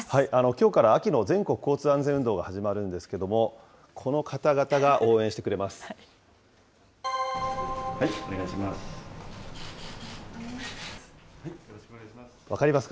きょうから秋の全国交通安全運動が始まるんですけれども、こお願いします。